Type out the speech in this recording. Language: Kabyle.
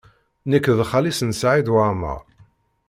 Nekk d xali-s n Saɛid Waɛmaṛ.